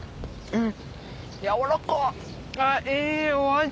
うん。